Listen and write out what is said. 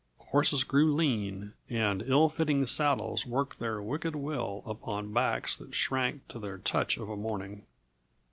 Horses grew lean and ill fitting saddles worked their wicked will upon backs that shrank to their touch of a morning.